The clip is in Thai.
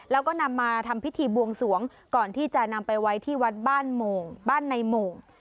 แล้วก็นำมาทำพิธีบวงสวงก่อนที่จะนำไปไว้ที่วัดบ้านโมงบ้านในโมง